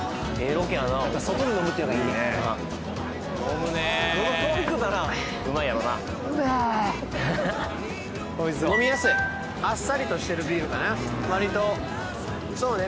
ロケやな外で飲むっていうのがいいね飲むねーのど渇いとったなうまいやろな飲みやすいあっさりとしてるビールかな割とそうね